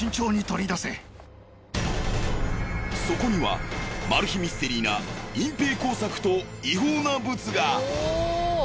そこにはマル秘ミステリーな隠ぺい工作と違法なブツが！